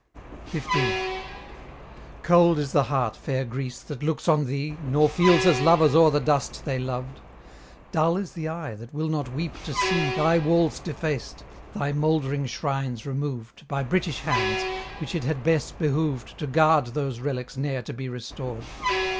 XV. Cold is the heart, fair Greece, that looks on thee, Nor feels as lovers o'er the dust they loved; Dull is the eye that will not weep to see Thy walls defaced, thy mouldering shrines removed By British hands, which it had best behoved To guard those relics ne'er to be restored.